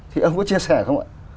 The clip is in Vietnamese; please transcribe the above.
thì ông có chia sẻ không ạ